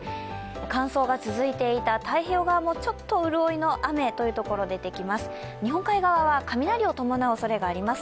感想が続いていた太平洋側もちょっと潤いの雨というところも出てきそうです。